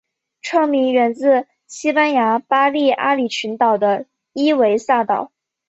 车名源自西班牙巴利阿里群岛的伊维萨岛。